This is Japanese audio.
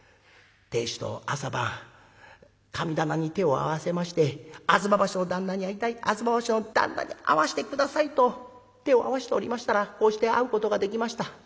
亭主と朝晩神棚に手を合わせまして吾妻橋の旦那に会いたい吾妻橋の旦那に会わして下さいと手を合わしておりましたらこうして会うことができました。